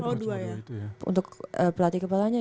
oh dua ya untuk pelatih kepalanya